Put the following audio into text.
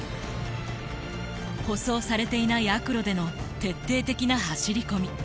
舗装されていない悪路での徹底的な走り込み。